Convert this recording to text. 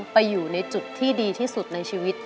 ไปอยู่ในจุดที่ดีที่สุดในชีวิต